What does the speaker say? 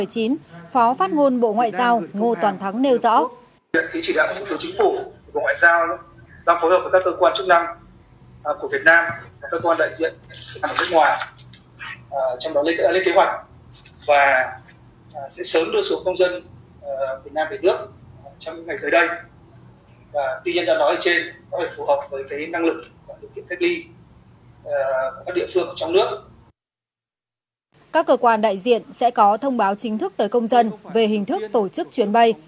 các cơ quan đại diện sẽ có thông báo chính thức tới công dân về hình thức tổ chức chuyến bay